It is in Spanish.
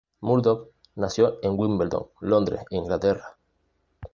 Murdoch nació en Wimbledon, Londres, Inglaterra.